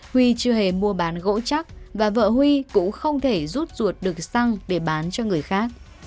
huy chưa hề mua bán gỗ chắc và vợ huy cũng không thể rút ruột được xăng để bán cho người khác